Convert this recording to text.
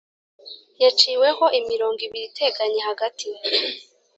yaciweho imirongo ibiri iteganye Hagati